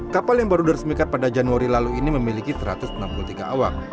kapal yang baru diresmikan pada januari lalu ini memiliki satu ratus enam puluh tiga awak